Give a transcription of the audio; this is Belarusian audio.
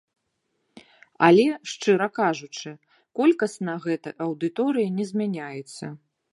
Але, шчыра кажучы, колькасна гэта аўдыторыя не змяняецца.